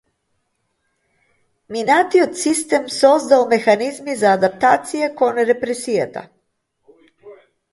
Минатиот систем создал механизми за адаптација кон репресијата.